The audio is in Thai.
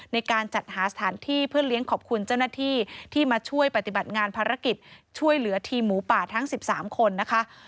ในการจัดหาสถานที่เพื่อเลี้ยงขอบคุณเจ้าหน้าที่ที่มาช่วยปฏิบัติงานภารกิจช่วยเหลือทีมหมูป่าทั้ง๑๓คนนะคะ